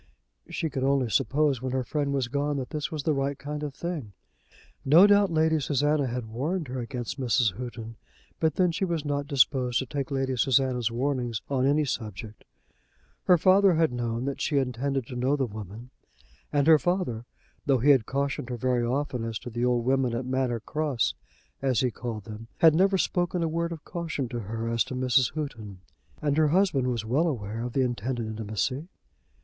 She could only suppose, when her friend was gone, that this was the right kind of thing. No doubt Lady Susanna had warned her against Mrs. Houghton, but then she was not disposed to take Lady Susanna's warnings on any subject. Her father had known that she intended to know the woman; and her father, though he had cautioned her very often as to the old women at Manor Cross, as he called them, had never spoken a word of caution to her as to Mrs. Houghton. And her husband was well aware of the intended intimacy.